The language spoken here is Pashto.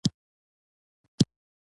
له هر میتود سره نوې نتیجې تر لاسه کوو.